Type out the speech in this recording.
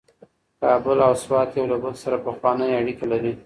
کابل او سوات یو له بل سره پخوانۍ اړیکې لري.